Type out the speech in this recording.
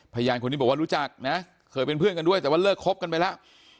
พยานคนนี้บอกว่ารู้จักนะเคยเป็นเพื่อนกันด้วยแต่ว่าเลิกคบกันไปแล้ว